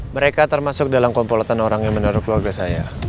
mereka termasuk dalam komplotan orang yang menaruh keluarga saya